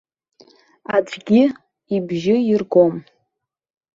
Аӡәгьы ибжьы иргом.